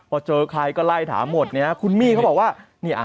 พอเจอใครก็ไล่ถามหมดเนี่ยคุณมี่เขาบอกว่าเนี่ย